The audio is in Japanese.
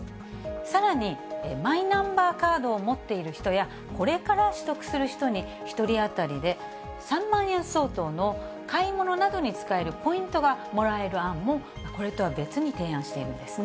さらにマイナンバーカードを持っている人や、これから取得する人に、１人当たりで３万円相当の買い物などに使えるポイントがもらえる案も、これとは別に提案しているんですね。